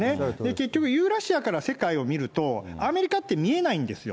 結局、ユーラシアから世界を見ると、アメリカって見えないんですよ。